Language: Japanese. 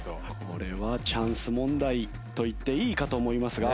これはチャンス問題と言っていいかと思いますが。